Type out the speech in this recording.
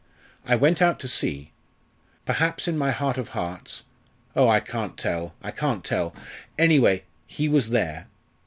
I went out to see. Perhaps, in my heart of hearts oh, I can't tell, I can't tell! anyway, he was there.